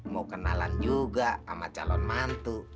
mau kenalan juga sama calon mantu